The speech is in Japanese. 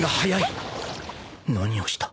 何をした！？